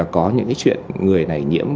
có những chuyện người này nhiễm